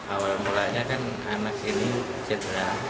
awal mulanya kan anak ini cedera